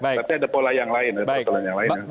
berarti ada pola yang lain